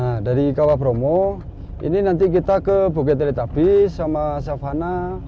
nah dari kawabromo ini nanti kita ke bukit teletabis sama savannah